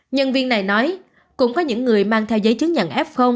nhân viên này nói cũng có những người mang theo giấy chứng nhận f